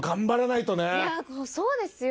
いやそうですよ。